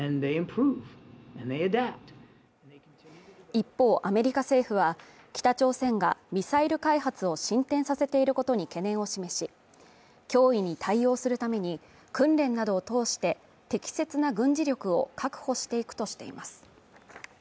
一方アメリカ政府は北朝鮮がミサイル開発を進展させていることに懸念を示し、脅威に対応するために訓練などを通して適切な軍事力を確保していくとしています。